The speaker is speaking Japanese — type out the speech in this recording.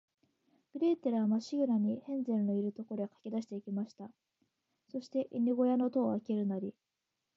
グレーテルは、まっしぐらに、ヘンゼルのいる所へかけだして行きました。そして、犬ごやの戸をあけるなり、